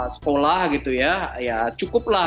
sekolah gitu ya ya cukup lah